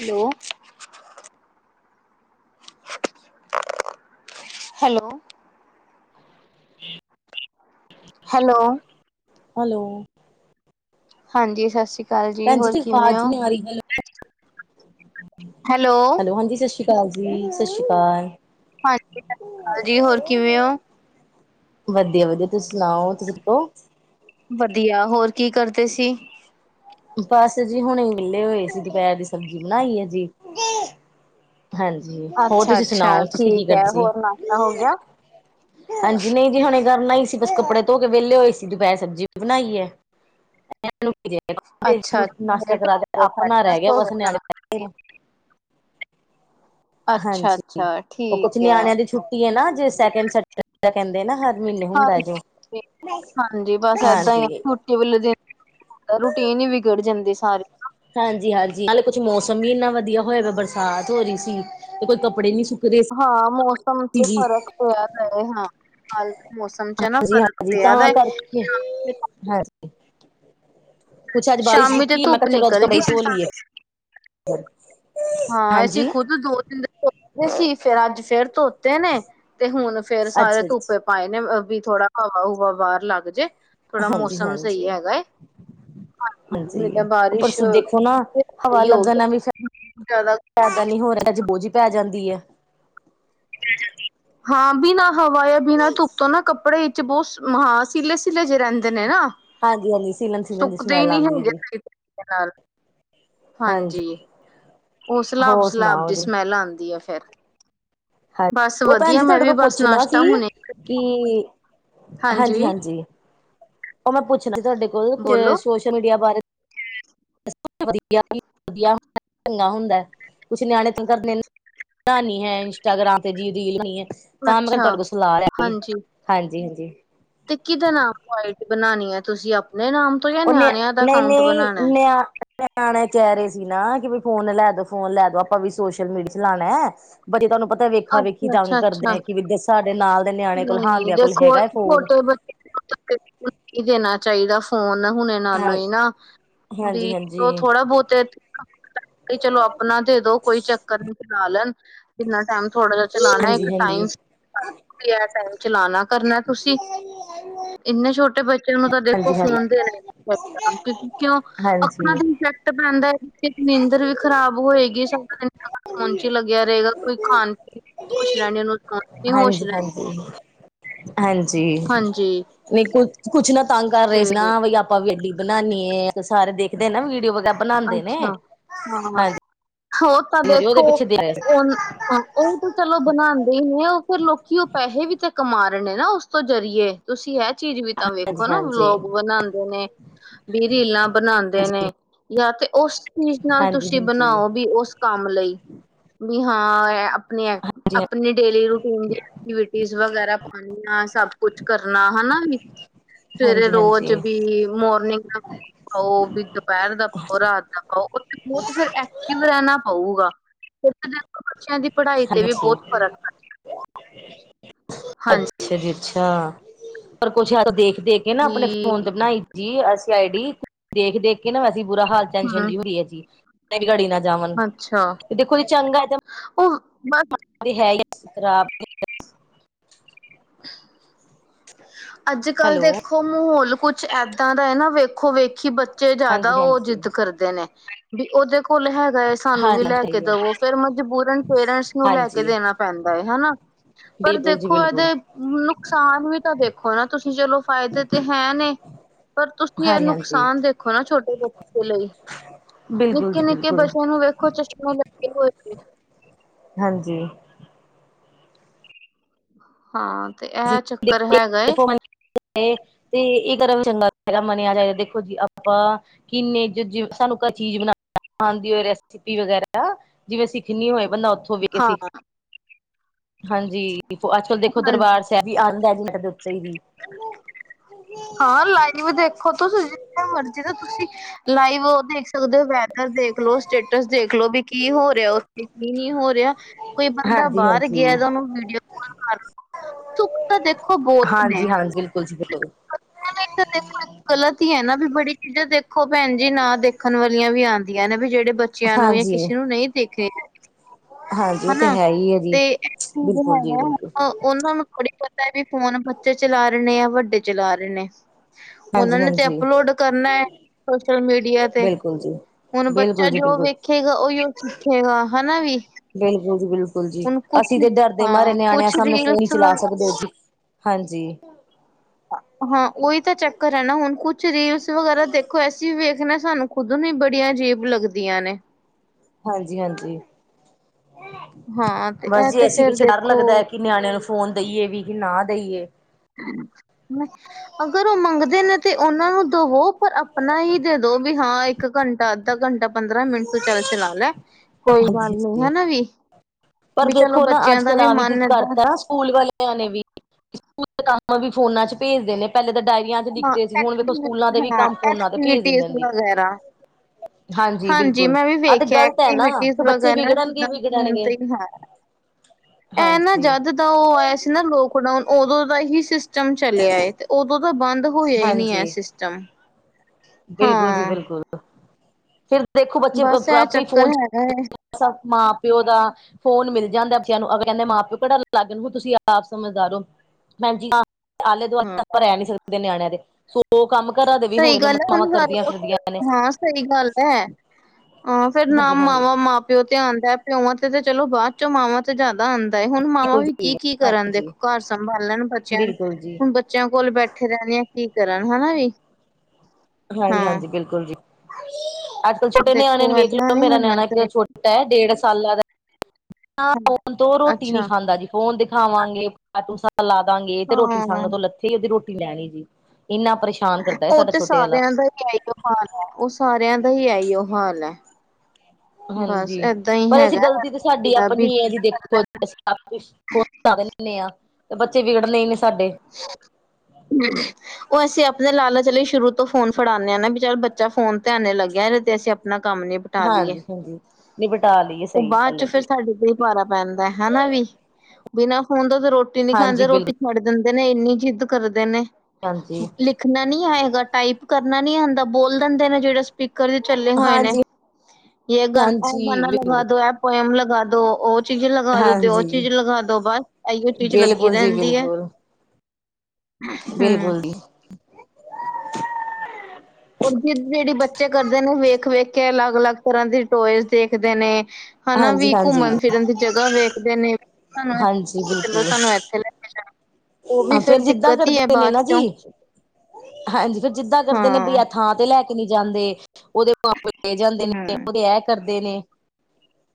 Hello. Hello. ਹਾਂਜੀ hello. Hello. ਹਾਂਜੀ ਸਤਿ ਸ਼੍ਰੀ ਅਕਾਲ ਜੀ, ਭੈਣ ਹੋਰ ਤੇ ਕਿਵੇਂ ਆਵਾਜ਼ ਹੋ? ਨੀ ਆ ਰਹੀ ਹੈਲੋ ਹੈਲੋ। ਹਾਂਜੀ ਸਤਿ ਸ਼੍ਰੀ ਅਕਾਲ ਜੀ ਸਤਿ ਸ਼੍ਰੀ ਅਕਾਲ। ਹਾਂਜੀ ਸਤਿ ਸ਼੍ਰੀ ਅਕਾਲ ਜੀ, ਹੋਰ ਕਿਵੇਂ ਹੋ? ਵਧੀਆ ਵਧੀਆ, ਤੁਸੀਂ ਸੁਣਾਓ ਤੁਸੀ ਠੀਕ ਓ? ਵਧੀਆ ਹੋਰ ਕੀ ਕਰਦੇ ਸੀ। ਬਸ ਜੀ ਹੁਣੇ ਵਿਹਲੇ ਹੋਏ ਸੀ, ਦੁਪਹਿਰ ਦੀ ਸਬਜ਼ੀ ਬਣਾਈ ਹੈ ਜੀ। ਹਾਂਜੀ, ਹੋਰ ਅੱਛਾ ਤੁਸੀਂ ਅੱਛਾ ਸੁਣਾਓ ਤੁਸੀਂ ਕੀ ਠੀਕ ਹੈ ਕਰ ਸੀ। ਹੋਰ ਨਾਸ਼ਤਾ ਹੋ ਗਿਆ ਹਾਂਜੀ, ਨਹੀਂ ਜੀ ਹੁਣ ਇਹ ਕਰਨਾ ਹੀ ਸੀ। ਬਸ ਕੱਪੜੇ ਧੋ ਕੇ ਵਿਹਲੇ ਹੋਏ ਸੀ, ਦੁਪਹਿਰ ਸਬਜ਼ੀ ਬਣਾਈ ਹੈ। ਅੱਛਾ ਨਾਸ਼ਤਾ ਮੇਰੇ ਕਰਾ ਦੇ ਢੋ ਆਪਣਾ ਸਾਢੇ ਦਸ ਰਹਿ ਗਿਆ ਹੋ ਬਸ ਗਏ ਨਾ ਨਿਆਣੇ। ਅੱਛਾ ਹਾਂਜੀ ਅੱਛਾ ਉਹ ਕੁਛ ਠੀਕ ਹੈ ਨਿਆਣਿਆਂ ਦੀ ਛੁੱਟੀ ਹੈ, ਨਾ ਜੇ ਸੈਕਿੰਡ ਸੈਟਰਡ ਦਾ ਪੈਂਦੇ ਆ। ਹਾਂਜੀ-ਹਾਂਜੀ, ਬਸ ਏਦਾਂ ਹੀ ਹਾਂਜੀ ਆ। ਵਲ ਰੂਟੀਨ ਹੀ ਵਿਗੜ ਜਾਂਦੇ ਸਾਰੇ, ਹਾਂਜੀ-ਹਾਂਜੀ ਨਾਲੇ ਕੁਛ ਮੌਸਮ ਵੀ ਇੰਨਾ ਵਧੀਆ ਹੋਇਆ, ਵਾ ਬਰਸਾਤ ਹੋ ਰਹੀ ਸੀ। ਓਤੇ ਕੋਈ ਕੱਪੜੇ ਨੀ ਸੁੱਕਦੇ। ਹਾਂ ਮੌਸਮ ਚ ਫ਼ਰਕ ਪਿਆ ਤੇ ਹੋਣਾ। ਹਾਲ ਮੌਸਮ ਚ ਹੈ ਨਾ ਫਰਕ ਪਿਆ ਵੈ, ਹਾਂ, ਕੁਛ ਅੱਜ ਬਾਰਿਸ਼ ਸ਼ਾਮੀ ਤੇ ਰੁਕੀ ਮੈਂ ਕਿਹਾ ਧੁੱਪ ਚਲੋ ਅਜ ਨਿਕਲ ਘਰੋ ਗਈ ਸੀ ਤੋਲੀਏ, ਸਾਰੀ। ਹਾਂ ਅਸੀਂ ਖੁੱਦ ਦੋ ਦਿਨ ਧੋਤੇ ਸੀ ਫੇਰ ਅੱਜ ਫੇਰ ਧੋ ਤੇ ਨੇ ਤੇ ਹੁਣ ਫੇਰ ਸਾਰੇ ਅੱਛਾ ਜੀ ਧੁੱਪੇ ਪਾਏ ਨੇ ਵੀ ਥੋੜਾ ਹਵਾ-ਹੁਵਾ ਬਾਹਰ ਲੱਗ ਜੇ। ਥੋੜਾ ਮੌਸਮ ਸਹੀ ਹਾਂਜੀ-ਹਾਂਜੀ। ਹੈਗਾ ਏ। ਹਾਂਜੀ, ਨਹੀਂ ਤਾਂ ਹਾਂਜੀ, ਬਾਰਿਸ਼ ਪਰਸੋਂ ਦੇਖੋ ਨਾ ਸਹੀ ਹੋ ਗਿਆ ਜ਼ਿਆਦਾ ਪੈਦਾ ਨੀ ਹੋ ਰਿਹਾ ਅਜੇ ਬੋਝੀ ਪੈ ਜਾਂਦੀ ਹੈ। ਹਾਂ ਬਿਨਾਂ ਹਵਾਏ ਬਿਨਾਂ ਧੁੱਪ ਤੋਂ ਨਾ ਕੱਪੜੇ ਚ ਬਹੁਤ ਹਾਂ ਸੀਲੇ ਸੀਲੇ ਜਿਹੇ ਰਹਿੰਦੇ ਨੇ ਨਾ, ਹਾਂਜੀ-ਹਾਂਜੀ ਸੀਲਨ-ਸੀਲਨ ਦੀ ਸੁੱਕਦੇ ਹੀ ਸਮੈਲ ਨਹੀਂ ਆਉਂਦੀ ਹੈ ਹੈਗੇ, ਜੀ ਸਹੀ ਤਰੀਕੇ ਨਾਲ ਹਾਂਜੀ, ਉਹ ਹੋਰ ਸਲਾਬ-ਸਲਾਬ ਸੁਣਾਓ ਦੀ ਜੀ। ਸਮੈਲ ਆਉਂਦੀ ਆ ਫੇਰ। ਬਸ ਹਾਂਜੀ, ਉਹ ਭੈਣ ਵਧੀਆ ਜੀ ਮੈਂ ਤੁਹਾਡੇ ਵੀ ਕੋਲ ਬਸ ਪੁੱਛਣਾ ਨਾਸ਼ਤਾ ਸੀ ਹੁਣੇ ਕਿ ਹਾਂਜੀ ਹਾਂਜੀ-ਹਾਂਜੀ, ਉਹ ਮੈਂ ਪੁੱਛਣਾ ਸੀ ਤੁਹਾਡੇ ਕੋਲ ਬੋਲੋ ਸੋਸ਼ਲ ਮੀਡੀਆ ਬਾਰੇ, ਅਸੀਂ ਵ ਵਧੀਆ ਚੰਗਾ ਹੁੰਦਾ, ਕੁਛ ਨਿਆਣੇ ਤ ਧਰੇ ਬਣਾਨੀ ਹੈ, ਇੰਸਟਾਗ੍ਰਾਮ ਤੇ ਜ ਰੀਲ ਬਣੀ ਹੈ। ਤਾਂ ਮੈਂ ਕਿਹਾ ਅੱਛਾ ਤੁਹਾਡੇ ਕੋਲ ਸਲਾਹ ਲੈਣੀ, ਹਾਂਜੀ ਹਾਂਜੀ-ਹਾਂਜੀ। ਤੇ ਕਿਹਦੇ ਨਾਮ ਪੁਆਇਟ ਬਣਾਉਣੀ ਹੈ, ਤੁਸੀਂ ਆਪਣੇ ਨਾਮ ਤੋਂ ਜਾਂ ਉਹ ਨਿ ਨਿਆਣਿਆਂ ਦਾ ਅਕਾਊਂਟ ਨਹੀਂ-ਨਹੀਂ, ਬਣਾਉਣਾ ਹੈ ਮੈ ਨਿਆਣੇ ਕਹਿ ਰਹੇ ਸੀ, ਨਾ ਕਿ ਵੀ ਫੋਨ ਲੈ ਦੋ ਫੋਨ ਲੈ ਦੋ ਆਪਾਂ ਵੀ ਸੋਸ਼ਲ ਮੀਡੀਆ ਚਲਾਉਣਾ ਏ। ਬੱਚੇ ਤੁਹਾਨੂੰ ਪਤਾ ਵੇਖਾ ਵੇਖੀ ਅੱਛਾ ਤੰਗ ਅੱਛਾ ਕਰਦੇ ਅੱਛਾ ਆ, ਕਿ ਸਾਡੇ ਨਾਲ ਦੇ ਨਿਆਣੇ ਕੋਲ ਹਾਂਨ ਦਿਆ ਕੋਲ ਹੈਗਾ ਫੋਨ, [inaudible] ਚਾਈਦਾ ਫੋਨ ਹੁਣੇ ਨਾਲੋਂ ਹਾਂ ਈ ਨਾ, ਵੀ ਹਾਂਜੀ ਹਾਂਜੀ ਉਹ ਥੋੜਾ ਬਹੁਤੇ ਚਲੋ ਆਪਣਾ ਦੇ ਦੋ ਕੋਈ ਚੱਕਰ ਨੀ ਚਲਾ ਲੈਣ ਜਿੰਨਾ ਟੇਮ ਥੋੜਾ ਜਿਹਾ ਚਲਾਣਾ ਹਾਂਜੀ ਇੱਕ ਹਾਂਜੀ ਟਾਈਮ ਹਾਂਜੀ ਟੇਮ ਚਲਾਣਾ ਕਰਨਾ ਤੁਸੀਂ, ਇੰਨੇ ਛੋਟੇ ਬੱਚ ਬੱਚੇ ਨੂੰ ਤਾਂ ਦੇਖੋ ਹਾਂਜੀ ਫੋਨ ਦੇ ਕਿਉਂਕਿ ਕਿਉਂ, ਅੱਖਾਂ ਹਾਂਜੀ ਤੇ ਇਫੈਕਟ ਪੈਂਦਾ ਐ ਨੀਂਦਰ ਵੀ ਖਰਾਬ ਹੋਏਗੀ, ਸਾਰ ਦਿਨ ਫੋਨ 'ਚ ਈ ਲੱਗਿਆ ਰਹੇਗਾ ਕੋਈ ਖਾਣ ਪੀਣ ਚ ਨੀ ਖੁਸ਼ ਰਹਿਣੇ ਉਹਨੂੰ ਨਹੀਂ ਹੋਸ਼ ਰਹਿ ਹਾਂਜੀ-ਹਾਂਜੀ। ਹਾਂਜੀ, ਹਾਂਜੀ ਨਈ ਕੁ ਕੁਛ ਨਾ ਤੰਗ ਕਰ ਰਹੇ ਸੀ ਨਾ ਤੇ ਬ ਆਪ ਆਪਾਂ ਵੀ ਏਡੀ ਬਣਾਣੀਏ, ਸਾਰੇ ਦੇਖਦੇ ਨਾ ਵੀਡੀਓ ਵਗੈਰਾ ਬਣਾਂਦੇ ਅੱਛਾ ਨੇ। ਹਾਂ ਹਾਂਜੀ ਹੋਰ ਤਾਂ ਦੇਖੋ ਉਹਦੇ ਪਿੱਛੇ ਦੇ ਹਾਂਜੀ ਹਾਂ ਉਹ ਤੇ ਚਲੋ ਬਣਾਂਦੇ ਈ ਨੇ ਉਹ ਫੇਰ ਲੋਕੀ ਉਹ ਪੈਹੇ ਵੀ ਤੇ ਕਮਾ ਰਹੇਣੇ ਨਾ ਉਸ ਤੋਂ ਜ਼ਰੀਏ। ਤੁਸੀਂ ਇਹ ਚੀਜ਼ ਵੀ ਤਾਂ ਵੇਖੋ ਨਾ ਹਾਂਜੀ ਵਲੋਗ ਬਣਾਂਦੇ ਨੇ, ਵੀ ਰੀਲਾਂ ਬਣਾਂਦੇ ਨੇ। ਯ ਤੇ ਉਸ ਚੀਜ਼ ਨਾਲ ਹਾਂਜੀ ਹਾਂਜੀ ਤੁਸੀਂ ਹਾਂਜੀ ਬਣਾਓ ਵੀ ਉਸ ਕੰਮ ਲਈ ਵੀ ਹਾਂ ਆ ਆਪ ਹਾਂਜੀ ਆਪਣੀ ਡੇਲੀ ਰੂਟੀਨ ਦੀ ਐਕਟੀਵਿਟੀ ਵਗੈਰਾ ਪਾਨੀਆ ਸਭ ਕੁਛ ਕਰਨਾ ਹਨਾ ਸਵੇਰੇ ਹਾਂਜੀ ਹਾਂਜੀ ਰੋਜ਼ ਵੀ ਮੋਰਨਿੰਗ ਉਹ ਉਹ ਵੀ ਦੁਪਹਿਰ ਦਾ ਉਹ ਰਾਤ ਦਾ ਪਾਓ ਉਥੇ ਬਹੁ ਤੇ ਫਿਰ ਐਕਟਿਵ ਰਹਿਣਾ ਪਊਗਾ। ਬੱਚਿਆਂ ਦੀ ਪੜ੍ਹਾਈ ਤੇ ਵੀ ਹਾਂਜੀ ਬਹੁਤ ਫ਼ਰਕ ਹਾਂਜੀ ਅੱਛਾ ਜੀ ਅੱਛਾ ਪਰ ਕੁਛ ਯਾਰ ਦੇਖ ਦੇਖ। ਨਾ ਆਪਣੇ ਵੀ ਫੋਨ ਤੇ ਬਣਾਈ ਜੀ, ਅਸੀਂ ਆਈ ਡੀ ਦੇਖ-ਦੇਖ ਕੇ ਨਾ ਅਸੀਂ ਬੁਰਾ ਹਾਲ ਟੇਸਨ ਹਮ ਜੀ ਹਦੀ ਐ ਜੀ ਮੈਂ ਵੀ ਘੜੀ ਨਾ ਜਾਵਣ ਅੱਛਾ ਤੇ ਦੇਖੋ ਜੀ ਚੰਗਾ ਤੇ ਉਹ ਬਸ [unintelligible] [inaudible] [inaudible] ਅੱਜ-ਕੱਲ੍ਹ ਹੈਲੋ ਦੇਖੋ ਮਾਹੌਲ ਕੁਛ ਏਦਾ ਦਾ ਐ ਨਾ ਵੇਖੋ ਵੇਖੀ ਬ ਬੱਚੇ ਜਿਆਦਾ ਹਾਂਜੀ ਉਹ ਹਾਂਜੀ ਜਿੱਦ ਕਰਦੇ ਨੇ। ਵੀ ਉਹਦੇ ਕੋਲ ਹੈਗਾ ਏ ਸਾਨੂੰ ਵੀ ਹਾਂਜੀ ਲੈ ਕੇ ਸਹੀ ਹੈ ਦਵੋ ਫੇਰ ਮਜਬੂਰਨ ਪੇਰੈਂਟਸ ਨੂੰ ਲੈ ਕੇ ਹਾਂਜੀ ਦੇਣਾ ਪੈਂਦਾ ਏ ਹਨਾ ਪਰ ਬਿਲਕੁਲ ਜੀ ਦੇਖੋ ਬਿਲਕੁਲ ਇਹਦੇ ਨੁਕਸਾਨ ਵੀ ਤਾਂ ਦੇਖੋ ਨਾ ਤੁਸੀ ਚਲੋ ਫਾਇਦੇ ਤੇ ਹੈ ਨੇ ਪਰ ਤੁਸੀ ਇਹ ਹਾਂਜੀ ਹਾਂਜੀ ਨੁਕਸਾਨ ਦੇਖੋ ਨਾ ਛੋਟੇ ਜ ਬੱਚੇ ਲਈ। ਬਿਲਕੁਲ ਜੀ ਨਿੱਕੇ-ਨਿੱਕੇ ਬਿਲਕੁਲ ਬੱਚਿਆਂ ਨੂੰ ਵੇਖੋ ਚਸ਼ਮੇ ਲ ਹਾਂਜੀ। ਹਾਂ ਤੇ ਇਹ ਚੱਕਰ ਹੈਗਾ ਏ। ਦੇਖੋ ਤੇ ਇਹ ਕਰ ਚੰਗਾ ਹੈਗਾ ਆ ਮਨ ਜਾਏਗ ਦੇਖੋ ਜੀ ਆਪਾਂ ਕਿੰਨੇ ਜਿਵੇਂ ਸਾਨੂੰ ਚੀਜ਼ ਬਣਾਦੀ ਓ ਰੈਸਿਪੀ ਵਗੈਰਾ ਜਿਵੇਂ ਸਿੱਖਣੀ ਹੋਏ ਬੰਦਾ ਏ ਹਾਂ ਸੀ ਹਾਂਜੀ ਅੱਜ-ਕੱਲ੍ਹ ਦੇਖੋ ਹਾਂਜੀ ਦਰਬਾਰ [unintelligible] ਹਾਂ ਲਾਈਵ ਦੇਖੋ ਤੁਸੀ ਜਿਨਾ ਮਰਜ਼ੀ ਦਾ ਤੁਸੀ ਲਾਈਵ ਦੇਖ ਸਕਦੇ ਓ ਵੈਦਰ ਦੇਖ ਲੋ, ਸਟੇਟਸ ਦੇਖ ਲੋ ਵੀ ਕੀ ਹੋ ਰਿਹਾ ਉੱਥੇ ਕੀ ਨੀ ਹੋ ਰਿਹਾ। ਕੋਈ ਬੰਦਾ ਹਾਂਜੀ ਬਾਹਰ ਹਾਂਜੀ ਗਿਆ ਤਾ ਉਹਨੂੰ ਵੀਡੀਓ ਕੋਲ ਕਰ ਲੋ। ਸੁਖ ਤਾਂ ਦੇਖੋ ਬਹੁਤ ਨੇ। ਹਾਂਜੀ ਬਿਲਕੁਲ ਜੀ ਬਿਲਕੁਲ। [inaudible] ਗਲਤ ਈ ਐ ਨਾ ਵੀ ਬੜੀ ਚੀਜ਼ਾਂ ਦੇਖੋ ਭੈਣ ਜੀ ਨਾ ਦੇਖਣ ਵਾਲੀਆ ਵੀ ਆਂਦੀਆ ਨਾ ਵੀ ਜਿਹੜੇ ਬੱਚੇ ਬੱਚਿਆਂ ਨੂੰ ਜਾਂ ਹਾਂਜੀ ਕਿਸੇ ਨੂੰ ਨਈ ਦੇਖੇ ਹਾਂਜੀ ਉਹ ਹਨਾ ਤੇ ਹੈ ਹੀ ਹੈ ਤੇ ਜੀ [inaudible] ਬਿਲਕੁਲ ਜੀ ਬਿਲਕੁਲ ਉਹਨਾਂ ਨੂੰ ਥੋੜੀ ਪਤਾ ਐ ਵੀ ਫੋਨ ਬੱਚੇ ਚਲਾ ਰਹੇ ਨੇ ਆ ਵੱਡੇ ਚਲਾ ਰੇ ਨੇ। ਉਹਨਾਂ ਹਾਂਜੀ ਨੇ ਤੇ ਹਾਂਜੀ ਅਪਲੋਡ ਕਰਨਾ ਸੋਸ਼ਲ ਮੀਡੀਆ ਤੇ। ਬਿਲਕੁਲ ਜੀ, ਹੁਣ ਬਿਲਕੁਲ ਬੱਚਾ ਜੀ, ਜੋ ਬਿਲਕੁਲ। ਵੇਖੇਗਾ ਉਹੀ ਉਹ ਸਿੱਖੇਗਾ ਹਨਾ ਵੀ। ਬਿਲਕੁਲ ਜੀ ਬਿਲਕੁਲ ਜੀ ਹੁਣ ਕੁਛ ਅਸੀ ਤੇ ਡਰਦੇ ਮਾਰੇ ਹਾਂ ਨਿਆਣਿਆ ਕੁਛ ਸਾਹਮਣੇ ਫੋਨ ਨੀ ਰੀਲਸ ਚਲਾ ਸਕਦੇ ਜੀ। ਹਾਂਜੀ। ਹਾ ਉਹੀ ਤਾ ਚੱਕਰ ਹੈ ਨਾ ਹੁਣ ਕੁਛ ਰੀਲਸ ਵਗੈਰਾ ਦੇਖੋ ਅਸੀ ਵੀ ਵੇਖਣਾ ਸਾਨੂੰ ਖ਼ੁਦ ਨੂੰ ਬੜੀਆ ਅਜੀਬ ਲੱਗਦੀਆ ਨੇ। ਹਾਂਜੀ-ਹਾਂਜੀ ਹਾਂ ਤੇ ਬਸ ਇਹ ਜੀ ਤੇ ਐਸੀ ਫੇਰ ਕੁਛ ਡਰ ਦੇਖੋ ਲੱਗਦਾ ਕਿ ਨਿਆਣਿਆਂ ਨੂੰ ਫੋਨ ਦਈਏ ਵੀ ਕਿ ਨਾ ਦੇਈਏ। [unintelligible] ਅਗਰ ਉਹ ਮੰਗਦੇ ਨੇ ਤੇ ਉਹਨਾ ਨੂੰ ਦਵੋ ਪਰ ਆਪਣਾ ਹੀ ਦੇ ਦੋ ਵੀ ਹਾ ਇੱਕ ਘੰਟਾ, ਅੱਧਾ ਘੰਟਾ, ਪੰਦਰਾਂ ਮਿੰਟ ਤੂੰ ਚੱਲ ਚਲਾ ਲੈ ਕੋਈ ਹਾਂਜੀ, ਗੱਲ ਨੀ ਹਾਂਜੀ। ਹਨਾ ਵੀ। ਪਰ ਵੀ ਚਲੋ ਦੇਖੋ ਨਾ ਬੱਚਿਆਂ ਅੱਜ ਦਾ ਕੱਲ ਆ ਵੀ ਮਨ ਚੀਜ਼ ਏਦਾਂ ਕਰਤਾ ਸਕੂਲ ਵਾਲਿਆ ਨੇ ਵੀ ਸਕੂਲ ਦਾ ਕੰਮ ਵੀ ਫੋਨਾਂ ਚ ਭੇਜਦੇ ਨੇ ਪਹਿਲੇ ਤਾਂ ਡਾਇਰੀਆ ਤੇ ਹਾਂ ਲਿਖਦੇ ਸੀ ਹੁਣ ਵੇਖੋ ਐਕਟੀਵਿ ਸਕੂਲਾ ਦੇ ਵੀ ਹਾਂ ਕੰਮ ਫੋਨਾਂ ਤੇ ਭੇਜ ਐਕਟੀਵਿਟੀਜ਼ ਦਿੰਦੇ ਨੇ ਜੀ। ਵਗੈਰਾ। ਹਾਂਜੀ ਬਿਲਕੁਲ ਮੈਂ ਵੀ ਆਹ ਤੇ ਵੇਖਿਆ ਗ਼ਲਤ ਹੈ ਨਾ ਐਕਟੀਵਿਟੀਜ਼ ਫੇਰ ਬੱਚੇ ਵਗੈਰਾ ਨਾ ਵਿਗੜਨਗੇ ਹੀ ਜਿੱਦਾਂ ਫੋਨ ਤੇ ਵਿਗੜਨਗੇ। ਹੀ ਹਾਂ। ਇਹ ਨਾ ਹਾਂਜੀ, ਜਦ ਦਾ ਉਹ ਆਇਆ ਸੀ ਨਾ ਲੋਕਡਾਊਨ ਉਦੋਂ ਦਾ ਹੀ ਸਿਸ ਟਮ ਚੱਲਿਆ ਹੈ ਤੇ ਉਦੋਂ ਦਾ ਬੰਦ ਹੋਇਆ ਹੀ ਨੀ ਹੈ ਹਾਂਜੀ। ਸਿਸਟਮ। ਬਿਲਕੁਲ ਜੀ ਹਾਂ ਬਿਲਕੁਲ ਫਿਰ ਦੇਖੋ ਬੱਚੇ ਬਸ ਇਹ ਆਪੇ ਈ ਚੱਕਰ ਫੋਨ ਚ ਹੈਗਾ ਹੈ। ਸਭ ਮਾਂ ਪਿਓ ਦਾ ਫੋਨ ਮਿਲ ਜਾਂਦਾ ਅੱਗੋਂ ਕਹਿੰਦੇ ਮਾਂ ਪਿਓ [unintelligible] ਲੱਗ ਤੁਸੀਂ ਆਪ ਸਮਝਦਾਰ ਓ ਹਾਜੀ। ਆਲੇ ਦੁਆਲੇ ਹਾਂ ਤਾ ਆਪਾ ਰਹਿ ਨੀ ਸਕਦੇ ਨਿਆਣਿਆ ਦੇ ਸੋ ਕੰਮ ਘਰਾਂ ਦੇ ਵੀ ਸਹੀ ਹੋਏ ਨੇ ਗੱਲ ਹੁਣ ਹੈ ਮਾਵਾਂ ਕਰਦੀਆਂ ਸਾਨੂੰ ਫਿਰਦੀਆਂ ਨੇ [unintelligible] ਹਾਂ ਸਹੀ ਗੱਲ ਹੈ, ਹਾਂ ਫੇਰ ਨਾ ਹਾਂਜੀ ਹਾਂਜੀ ਮਾਵਾ ਮਾਂ ਪਿਓ ਤੇ ਆਂਦਾ ਹੈ ਪਿਓ ਤੇ ਚਲੋ ਬਾਅਦ ਚੋ ਮਾਵਾਂ ਤੇ ਜਾਦਾ ਆਂ ਦਾ ਹੈ ਹੁਣ ਮਾਵਾ ਬਿਲਕੁਲ ਵੀ ਜੀ ਕੀ-ਕੀ ਕਰਨ ਹਾਂਜੀ ਦੇਖੋ ਘਰ ਸੰਭਾਲਣ ਬੱਚਿਆਂ ਨੂੰ ਬਿਲਕੁਲ ਜੀ ਹੁਣ ਬ ਚਿਆ ਕੋਲ ਬੈਠੇ ਰਹਿਣ ਯਾ ਕੀ ਕਰਨ ਹਨਾ ਵੀ। ਹਾਂ ਹਾਂਜੀ-ਹਾਂਜੀ ਬਿਲਕੁਲ ਜੀ ਅੱਜ ਕੱਲ ਛੋਟੇ ਨਿਆਣਿਆਂ ਦੇਖੋ ਨੂੰ ਵੇਖ ਏਦਾਂ ਲਓ ਨੀ ਮੇਰਾ ਹੋਣਾ ਨਿਆਣਾ ਇੱਕ ਚਾਹੀਦਾ ਬੇਟਾ ਡੇਢ ਸਾਲਾਂ ਦਾ ਬਿਨਾਂ ਫੋਨ ਤੋਂ ਰੋਟੀ ਨੀ ਅੱਛਾ ਖਾਂਦਾ ਜੀ ਫੋਨ ਦਿਖਾਵਾਂਗੇ। ਕਾਰਟੋਨ ਸਾਂ ਲਾ ਦਾਂਗੇ। ਤੇ ਰੋਟੀ ਹਾਂ ਸੰਗ ਤੋਂ ਲੱਥੀ ਅੱਧੀ ਰੋਟੀ ਲੈਣੀ ਜੀ ਇੰਨਾ ਪਰੇਸ਼ਾਨ। ਕਰਦਾ ਹੈ ਉਹ ਸਾਡਾ ਤੇ ਛੋਟੇ ਵਾਲਾ ਸਾਰਿਆਂ ਦਾ ਹੀ ਇਹੀਓ ਹਾਲ ਹੈ। ਉਹ ਸਾਰਿਆਂ ਦਾ ਹੀ ਇਹੀਓ ਹਾਲ ਹੈ। ਬਸ ਹਾਂਜੀ। ਏਦਾਂ ਹੀ ਪਰ ਇਹ 'ਚ ਹੈਗਾ ਹਰ ਗ਼ਲਤੀ ਤਾਂ ਕਿਸੇ ਸਾਡੀ ਦਾ ਵੀ ਆਪਣੀ ਹੈ ਜੀ। ਦੇਖੋ, ਅਸੀਂ ਧਰ ਦਿੰਦੇ ਆ। ਤੇ ਬੱਚੇ ਵਿਗੜਨ ਹੀ ਨੇ ਸਾਡੇ। ਹੂੰ। ਉਹ ਅਸੀਂ ਆਪਣੇ ਲਾਲਚ ਲਈ ਸ਼ੁਰੂ ਤੋਂ ਫੋਨ ਫੜਾਉਣੇ ਨਾ ਵੀ ਚਲ ਬੱਚਾ ਫੋਨ ਧਿਆਨੇ ਲੱਗਿਆ ਤੇ ਅਸੀਂ ਆਪਣਾ ਕੰਮ ਲਈਏ ਹਾਂਜੀ- ਹਾਂਜੀ ਨਿਪਟਾ ਲਈਏ ਉਹ ਸਹੀ ਬਾਅਦ ਗੱਲ ਚ ਹੈ ਫਿਰ ਜੀ। ਸਾਡੇ ਤੇ ਹੀ ਭਾਰਾ ਪੈਂਦਾ ਹਨਾ ਵੀ ਬਿਨਾਂ ਫੋਨ ਤੋਂ ਤੇ ਰੋਟੀ ਨੀ ਹਾਂਜੀ ਖਾਂਦੇ ਰੋਟੀ। ਬਿਲਕੁਲ ਛੱਡ ਦਿੰਦੇ ਨੇ ਇੰਨੀ ਜਿੱਦ ਕਰਦੇ ਨੇ। ਹਾਂਜੀ ਕਰਨਾ ਨੀ ਆਏ ਗਾ, ਟਾਈਪ ਕਰਨਾ ਨੀ ਆਉਂਦਾ, ਬੋਲ ਦਿੰਦੇ ਨੇ ਜਿਹੜੇ ਸਪੀਕਰ ਜੇ ਚੱਲੇ ਹੋਏ ਨੇ। ਹਾਂਜੀ ਯ ਗਾ ਇਹ ਹਾਂਜੀ ਗਾਨਾ ਲਗਾ ਬਿਲਕੁਲ ਦੋ, ਇਹ ਪੋਇਮ ਲਗਾ ਦੋ, ਉਹ ਚੀਜ਼ ਲਗਾ ਦੋ ਤੇ ਉਹ ਹਾਂਜੀ ਚੀਜ਼ ਲਗਾ ਦੋ ਬਸ। ਇਹੀਓ ਚੀਜ਼ ਲੱਗੀ ਬਿਲਕੁਲ ਜੀ ਰਹਿੰਦੀ ਹੈ। ਬਿਲਕੁਲ ਹਮ ਬਿਲਕੁਲ ਜੀ। ਔਰ ਜਿਹੜੇ -ਜਿਹੜੇ ਬੱਚੇ ਕਰਦੇ ਨੇ ਵੇਖ- ਵੇਖ ਕੇ ਅਲੱਗ- ਅਲੱਗ ਤਰ੍ਹਾਂ ਦੀ ਟੋਏਜ਼ ਦੇਖਦੇ ਨੇ। ਹਨਾ ਹਾਂਜੀ ਵੀ। ਹਾਂਜੀ ਘੁੰਮਣ- ਫਿਰਨ ਦੀ ਜਗ੍ਹਾ ਵੇਖਦੇ ਨੇ। ਹੋਲੇ, ਹਾਂਜੀ ਘੁੰਮਣ ਚਲੋ, ਬਿਲਕੁਲ ਸਾਨੂੰ ਇੱਥੇ ਲੈ ਕੇ ਚਲੋ। ਉਹ ਵੀ ਹਾਂ ਫੇਰ ਜਿੱਦਾਂ ਦਿੱਕਤ ਹੀ ਹੈ ਕਰਦੇ ਨੇ ਬਾਅਦ ਨਾ ਚੋਂ। ਜੀ ਹਾਂਜੀ। ਫੇਰ ਜਿੱਦਾਂ ਕਰਦੇ ਨੇ ਬਈ ਹਾਂ। ਇਹ ਥਾਂ ਤੇ ਲੈ ਕੇ ਨਹੀਂ ਜਾਂਦੇ। ਉਹਦੇ ਜਾਂਦੇ ਨੇ ਹਮ। ਉਹਦੇ ਇਹ ਕਰਦੇ ਨੇ।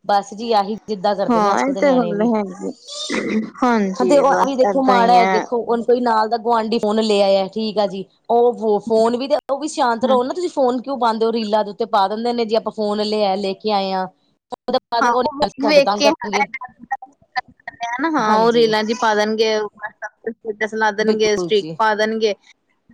ਬਸ ਜੀ ਆਹੀ। ਜਿੱਦਾਂ ਕਰਦੇ ਨੇ ਹਾਂ ਅੱਜ ਕੱਲ ਇਹ ਦੇ ਤੇ ਨਿਆਣੇ ਗੱਲ ਵੀ। ਹੈਗੀ ਹਾਂ, ਤੇ ਹਾਂਜੀ ਉਹ ਇਹ ਬਸ ਵੀ ਦੇਖੋ ਏਦਾਂ ਹੀ ਮਾੜਾ। ਹੈ। ਦੇਖੋ ਹੁਣ ਕੋਈ ਨਾਲ ਦਾ ਗੁਆਂਢੀ ਫੋਨ ਲਿਆਇਆ। ਠੀਕ ਆ ਜੀ। ਉਹ ਉਹੋ ਫੋਨ ਵੀ ਤੇ ਉਹ ਵੀ ਸ਼ਾਂਤ ਹਮ ਰਹੋ ਨਾ ਤੁਸੀਂ ਫੋਨ ਕਿਉਂ ਪਾਉਂਦੇ ਹੋ ਰੀਲਾ ਦੇ ਉੱਤੇ ਪਾ ਦਿੰਦੇ ਨੇ ਜੀ ਆਪਾਂ ਫੋਨ ਲੈ ਲੈ ਕੇ ਆਏ ਹਾਂ। ਹਾਂ, ਉਹ ਵੇਖ- ਸਾਡੇ ਵੇਖ ਤੰਗ ਕੇ ਕਰਨਗੇ ਦੇ ਨਾ ਹਾਂ। ਉਹ ਹਾਂਜੀ ਰੇਲਾਂ 'ਚ ਪਾ ਦੇਣਗੇ ਓ। ਸਟੇਟਸ ਲਾਦੇਨਗੇ, ਬਿਲਕੁਲ ਸਟ੍ਰੀਕ ਜੀ ਪਾਦੇਨਗੇ।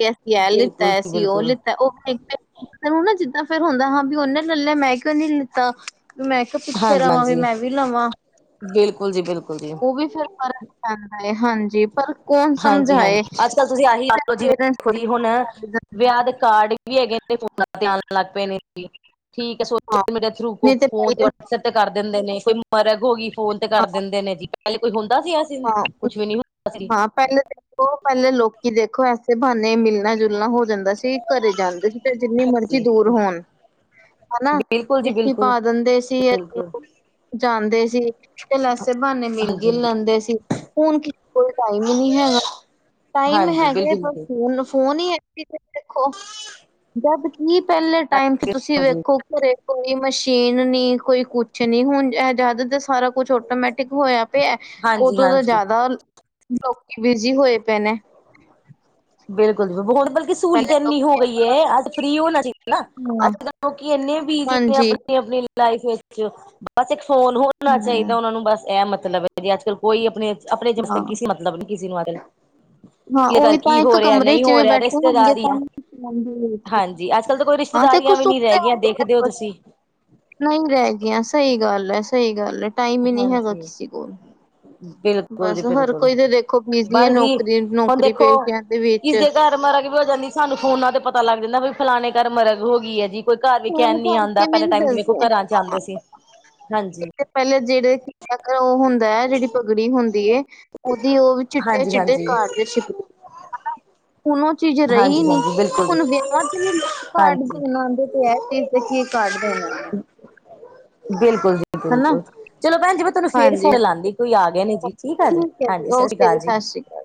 ਅਸੀਂ ਇਹ ਲਿੱਤਾ, ਬਿਲਕੁਲ ਜੀ ਅਸੀਂ ਉਹ ਬਿਲਕੁਲ ਲਿੱਤਾ, ਉਹ ਫੇਕਦੇ। ਤੈਨੂੰ ਨਾ ਜਿੱਦਾਂ ਫੇਰ ਹੁੰਦਾ ਹਾਂ ਵੀ ਉਹਨੇ ਲੈਲਿਆ ਮੈਂ ਕਿਉਂ ਨੀ ਲਿੱਤਾ ਵੀ ਮੈਂ। ਕਿਹਾ ਪਿੱਛੇ ਹਾਂਜੀ- ਰਵਾਂ ਹਾਂਜੀ, ਵੀ ਲਵਾਂ ਬਿਲਕੁਲ ਜੀ-ਬਿਲਕੁਲ ਜੀ। ਉਹ ਵੀ ਫਿਰ ਫਰਕ ਪੈਂਦਾ ਹੈ। ਹਾਂਜੀ। ਪਰ ਕੌਣ ਹਾਂਜੀ- ਸਮਝਾਏ। ਹਾਂਜੀ, ਅੱਜ ਕੱਲ ਤੁਸੀਂ ਆਹੀ ਲਓ ਜਿਵੇਂ ਵੇਖੋਂ ਜੀ ਹੁਣ ਪੇਰੈਂਟਸ ਵਿਆਹ ਕਾਰਡ। ਵੀ ਹੈਗੇ ਫੋਨ ਤੇ ਆਨ ਲੱਗ ਪਏ ਨੇ ਠੀਕ ਹੈ ਹਾਂ ਸੋਸ਼ਲ ਮੀਡੀਆ ਥਰੂ ਨਹੀਂ ਫੋਨ ਤੇ। ਪਹਿਲੇ ਸਿੱਧ ਕਰ ਦਿੰਦੇ ਨੇ। ਕੋਈ ਮਰਗ ਹੋ ਗਈ ਫੋਨ ਤੇ ਹਾਂ, ਕਰ ਦਿੰਦੇ ਨੇ ਜੀ। ਪਹਿਲੇ ਕੋਈ ਹੁੰਦਾ ਸੀ ਅਸੀਂ। ਹਾਂ, ਬ [unintelligible] ਹਾਂ, ਪਹਿਲੇ ਦੇਖੋ, ਪਹਿਲੇ ਲੋਕੀ ਦੇਖੋ, ਐਸੇ ਬਹਾਨੇ ਮਿਲਣਾ- ਜੁਲਣਾ ਹੋ ਜਾਂਦਾ ਸੀ। ਘਰੇ ਜਾਂਦੇ ਸੀ ਤੇ ਜਿੰਨੀ ਮਰਜ਼ੀ ਜੀ ਦੂਰ ਹੋਣ ਹਨਾ। ਬਿਲਕੁਲ ਜੀ ਚਿੱਠੀ ਬਿਲਕੁਲ, ਪਾ ਦਿੰਦੇ ਸੀ‌। ਬਿਲਕੁਲ ਜਾਂਦੇ ਸੀ। ਤੇ ਏਸੇ ਬਹਾਨੇ ਮਿਲ ਗਿਲ ਹਾਂਜੀ-ਹਾਂਜੀ। ਲੈਂਦੇ ਸੀ। ਹੁਣ ਕੀ। ਕੋਈ ਟਾਈਮ ਹੀ ਨਹੀਂ ਹੈਗਾ। ਟਾਈਮ ਹਾਂਜੀ ਹਾਂਜੀ ਹੈਗਾ ਬਿਲਕੁਲ ਪਰ ਫੋਨ- ਫੋਨ ਹੀ ਕਿੱਤੇ ਦੇਖੋ, ਜਦ ਕੀ ਪਹਿਲੇ ਟਾਈਮ 'ਚ ਤੁਸੀਂ ਜੀ, ਵੇਖੋ। ਘਰੇ ਕੋਈ ਮਸ਼ੀਨ ਨੀ ਕੋਈ ਕੁਛ ਨੀ ਹੁਣ ਇਹ ਜ਼ਿਆਦਾ ਦਾ ਸਾਰਾ ਕੁਛ। ਆਟੋਮੈਟਿਕ ਹੋਇਆ ਪਿਆ। ਉਦੋਂ ਤਾਂ ਹਾਂਜੀ-ਹਾਂਜੀ। ਜ਼ਿਆਦਾ ਲੋਕੀ ਬਿਜੀ ਹੋਏ ਪਏ ਨੇ। ਬਿਲਕੁਲ, ਹੁਣ ਬਲਕਿ ਸਹੂਲਤ ਪਹਿਲੇ ਇੰਨੀ ਹੋ ਲੋਕੀ ਗਈ ਹੈ। ਅੱਜ ਫਰੀ ਹੋਣਾ ਚਾਹੀਦਾ ਨਾ ਹਾਂ ਅੱਜ ਕੱਲ। ਲੋਕੀ ਇੰਨੇ ਬਿਜੀ ਨੇ ਹਾਂਜੀ ਆਪਣੀ- ਆਪਣੀ ਲਾਈਫ ਵਿੱਚ ਬਸ ਇੱਕ ਫੋਨ ਹੋਣ। ਹੋਣਾ ਚਾਹੀਦਾ ਹੂੰ ਉਹਨਾਂ ਨੂੰ ਬਸ ਇਹ ਮਤਲਬ ਹੈ ਵੀ ਅੱਜ ਕੱਲ ਕੋਈ ਆਪਣੇ- ਆਪਣੇ ਜਿਮਸਗ ਹਾਂ, ਕਿਸੀ ਮਤਲਬ ਨੀ ਕਿਸੇ ਨੂੰ। ਹਾਂ। ਘਰ ਉਹੀ ਤਾਂ ਕੀ ਇੱਕ ਹੋ ਰਿਹਾ, ਕਮਰੇ ਨਹੀਂ ਚ ਹੋ ਵੀ ਰਿਹਾ ਤੇ ਬੈਠੇ ਹੋਣਗੇ ਰਿਸ਼ਤੇਦਾਰ ਹੀ, ਤਾਂ ਹਾਂਜੀ। ਅੱਜ ਕੱਲ ਤਾਂ ਕੋਈ ਰਿਸ਼ ਹਾਂ ਤੇ ਕੁ ਰਿਸ਼ਤੇਦਾਰੀਆਂ ਵੀ ਨਹੀਂ ਸੁੱਤੇ ਰਹਿ ਗਈਆਂ ਦੇਖਦੇ ਹੋ ਹੋਣਗੇ ਤੁਸੀਂ। ਨਹੀਂ ਰਹਿ ਗਈਆਂ। ਸਹੀ ਗੱਲ ਹੈ, ਸਹੀ ਗੱਲ ਹੈ। ਟਾਈਮ ਹੀ ਨਹੀਂ ਹੈਗਾ ਹਾਂਜੀ ਕਿਸੇ ਕੋਲ। ਬਿਲਕੁਲ ਜੀ, ਬਸ ਹਰ ਬਿਲਕੁਲ ਕੋਈ ਤੇ ਦੇਖੋ ਬਿਜੀ ਹੈ ਬਸ ਜੀ ਨੌਕਰੀ ਹੁਣ ਨੌਕਰੀ ਦੇਖੋ ਪੇਸ਼ਿਆਂ ਦੇ ਵਿੱਚ ਕਿਸਦੇ ਘਰ। ਮਰਗ ਵੀ ਹੋ ਜਾਂਦੀ ਸਾਨੂੰ ਫੋਨਾ ਤੇ ਪਤਾ ਲੱਗ ਜਾਂਦਾ ਵੀ ਫਲਾਣੇ ਘਰ ਮਰਗ ਹੋ ਗਈ ਹੈ ਜੀ। ਕੋਈ ਘਰ ਵੀ ਫੋਨ ਕਹਿਣ ਨੀ ਆਉਂਦਾ, ਕਰਕੇ ਵੀ ਪਹਿਲੇ ਨੀ ਟਾਈਮ ਚ ਵੇਖੋ ਘਰਾਂ 'ਚ ਆਉਂਦੇ ਸੀ, ਹਾਂਜੀ। ਇਸ ਪਹਿਲਾਂ ਜਿਹੜੇ ਉਹ ਹੁੰਦਾ ਹੈ, ਜਿਹੜੀ ਪਗੜੀ ਹੁੰਦੀ। ਉਹਦੀ ਉਹ ਹਾਂਜੀ ਚਿੱਟੇ-ਚਿੱਟੇ ਹਾਂਜੀ ਕਟਦੇ ਛਿਪਦੇ ਹਨਾ ਹੁਣ ਉਹ। ਚੀਜ਼ ਰਹੀਂ ਹਾਂਜੀ ਨੀਂ। ਹਾਂਜੀ ਬਿਲਕੁਲ ਜੀ ਹੁਣ ਵਿਆਹਾ ਤੇ ਵੀ ਲੋਕ ਕਾਡ ਹਾਂਜੀ ਦੇਣ ਆ ਦੇ ਤੇ ਹੈ, ਦੇਖਦੇ ਕੀ ਕਾਡ ਦੇਣਾ ਹੈ। ਬਿਲਕੁਲ ਜੀ, ਹਨਾ, ਬਿਲਕੁਲ ਚਲੋ ਭੈਣ ਜੀ ਮੈਂ। ਤੁਹਾਨੂੰ ਫੇਰ ਫੋਨ ਹਾਂਜੀ-ਹਾਂਜੀ, ਲਾਉਂਦੀ ਕੋਈ ਆ ਗਿਆ, ਨੀ ਜੀ ਠੀਕ ਆ ਜੀ ਹੈ ਹਾਂਜੀ, ਸਾਸਰੀ ਓਕੇ ਕਾਲ ਜੀ। ਸਤਿ ਸ਼੍ਰੀ ਅਕਾਲ।